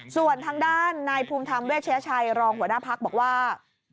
ส่วนทางด้านนายภูมิธรรมเวชยชัยรองหัวหน้าพักบอกว่า